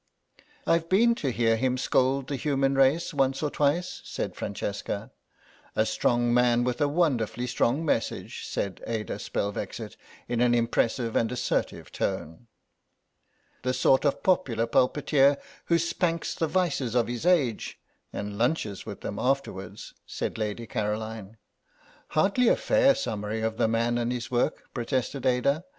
"I've been to hear him scold the human race once or twice," said Francesca. "A strong man with a wonderfully strong message," said Ada Spelvexit, in an impressive and assertive tone. "The sort of popular pulpiteer who spanks the vices of his age and lunches with them afterwards," said Lady Caroline. "Hardly a fair summary of the man and his work," protested Ada.